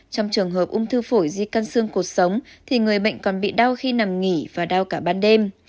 trong trường hợp ung thư phổi di căn xương cuộc sống thì người bệnh còn bị đau khi nằm nghỉ và đau cả ban đêm